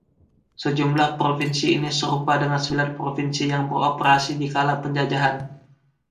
Sejumlah provinsi ini serupa dengan sembilan provinsi yang beroperasi di kala penjajahan.